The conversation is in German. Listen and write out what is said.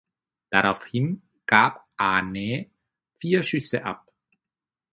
Daraufhin gab Ah Nee vier Schüsse ab.